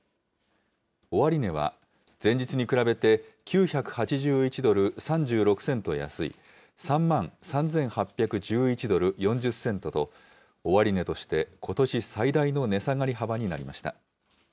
終値は、前日に比べて９８１ドル３６セント安い３万３８１１ドル４０セントと、終値としてことし最大の値下がり幅になりました。